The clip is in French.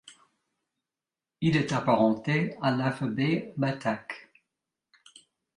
Il est apparenté à l’alphabet batak.